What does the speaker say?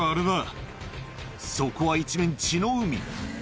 そこは一面血の海。